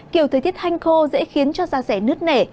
kiểu thời tiết hanh khô dễ khiến cho giá rẻ nứt nẻ